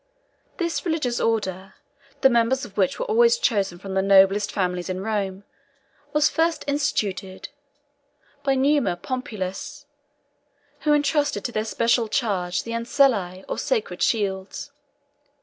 This religious order, the members of which were always chosen from the noblest families in Rome, was first instituted by Numa Pompilius, who intrusted to their special charge the Anciliæ, or sacred shields.